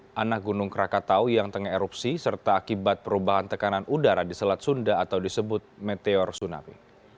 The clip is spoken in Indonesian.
tanah gunung krakatau yang tengah erupsi serta akibat perubahan tekanan udara di selat sunda atau disebut meteor tsunami